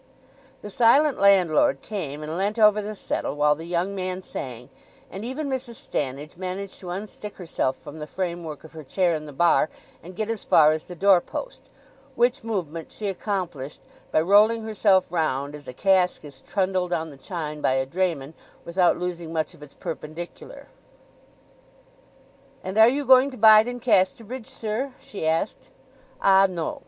The silent landlord came and leant over the settle while the young man sang; and even Mrs. Stannidge managed to unstick herself from the framework of her chair in the bar and get as far as the door post, which movement she accomplished by rolling herself round, as a cask is trundled on the chine by a drayman without losing much of its perpendicular. "And are you going to bide in Casterbridge, sir?" she asked. "Ah—no!"